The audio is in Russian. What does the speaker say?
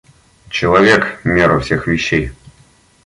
Человек — мера всех вещей.